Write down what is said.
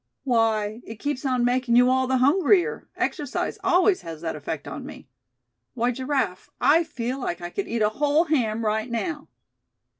"Why, it keeps on making you all the hungrier; exercise always has that effect on me. Why, Giraffe, I feel like I could eat a whole ham right now."